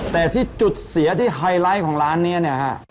แต่ที่จุดเสียที่ไฮไลท์ของร้านนี้เนี่ยฮะ